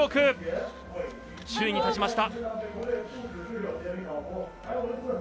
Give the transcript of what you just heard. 首位に立ちました。